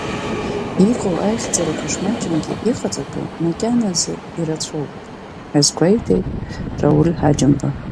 Иҟоу аихьӡарақәа шмаҷымгьы, иҟаҵатәу макьаназы ирацәоуп, ҳәа азгәеиҭеит Рауль Ҳаџьымба.